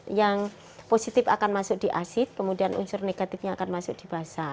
untuk air yang tidak dikonsumsi ini akan masuk di asid kemudian unsur negatifnya akan masuk di basah